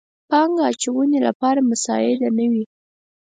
پانګه اچونې لپاره مساعد نه وي.